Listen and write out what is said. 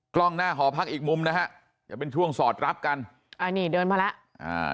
กล้องหน้าหอพักอีกมุมนะฮะจะเป็นช่วงสอดรับกันอ่านี่เดินมาแล้วอ่า